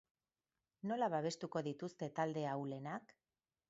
Nola babestuko dituzte talde ahulenak?